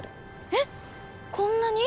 えっこんなに？